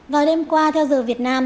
vào đêm qua theo giờ việt nam